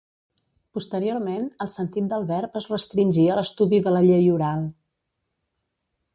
Posteriorment, el sentit del verb es restringí a l'estudi de la llei oral.